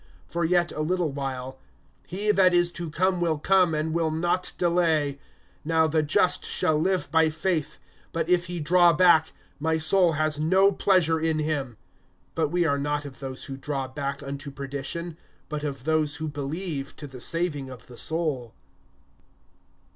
(37)For yet a little while, he that is to come will come, and will not delay. (38)Now, the just shall live by faith; but if he draw back, my soul has no pleasure in him. (39)But we are not of those who draw back unto perdition; but of those who believe to the saving of the soul.